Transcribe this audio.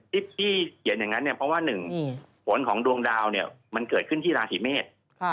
ที่เขียนอย่างนั้นเพราะว่า๑ผลของดวงดาวมันเกิดขึ้นที่ลาศีเมษ